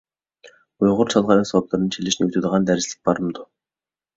ئۇيغۇر چالغۇ ئەسۋابلىرىنى چېلىشنى ئۆگىتىدىغان دەرسلىك بارمىدۇ؟